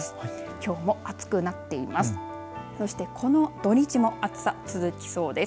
きょうも暑くなっています。